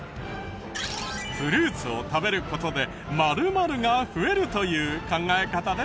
フルーツを食べる事で○○が増えるという考え方です。